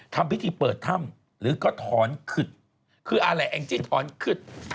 ทำพิธีเปิดถ้ำหรือก็ถอนขึดคืออะไรแองจิ้นถอนขึด